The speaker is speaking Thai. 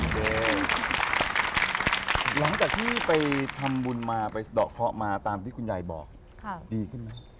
หลังจากที่ไปทำบุญมาไปสะดอกเคาะมาตามที่คุณยายบอกดีขึ้นไหม